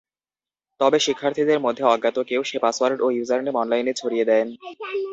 তবে শিক্ষার্থীদের মধ্যে অজ্ঞাত কেউ সে পাসওয়ার্ড ও ইউজারনেম অনলাইনে ছড়িয়ে দেন।